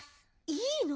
いいの？